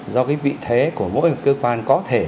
do cái vị thế của mỗi một cơ quan có thể